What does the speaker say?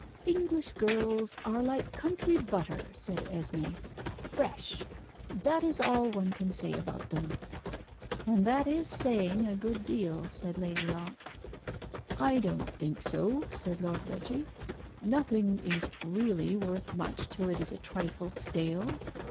"English girls are like country butter," said Esmé "fresh. That is all one can say about them." "And that is saying a good deal," said Lady Locke. "I don't think so," said Lord Reggie. "Nothing is really worth much till it is a trifle stale.